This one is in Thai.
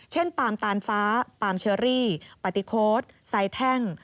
เช่นปัอมตานฟ้าเปอร์มเชอรี่ปะติโคดไส้แท่ง